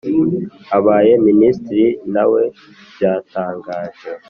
abaye minisitire ntawe byatangaje